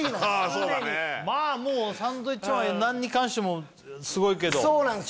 そうだねまあもうサンドウィッチマン何に関してもすごいけどそうなんすよ